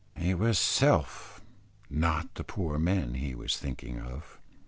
It was self not the poor men he was thinking of.